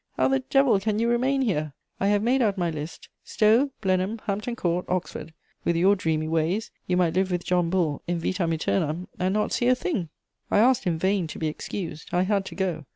"How the devil can you remain here? I have made out my list: Stowe, Blenheim, Hampton Court, Oxford; with your dreamy ways, you might live with John Bull in vitam æternam and not see a thing!" [Sidenote: A journey with Peltier.] I asked in vain to be excused, I had to go.